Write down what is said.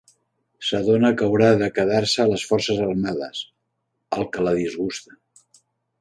S'adona que haurà de quedar-se a les forces armades, el que la disgusta.